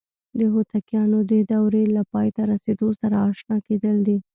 د هوتکیانو د دورې له پای ته رسیدو سره آشنا کېدل دي.